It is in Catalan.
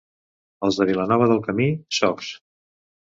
Els de Vilanova del Camí, socs.